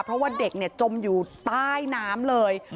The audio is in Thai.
เพราะว่าเด็กจมอยู่ใต้น้ำเลย